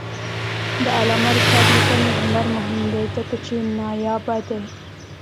د علامه رشاد لیکنی هنر مهم دی ځکه چې نایابه دی.